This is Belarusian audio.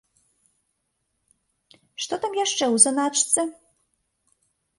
Што там яшчэ ў заначцы?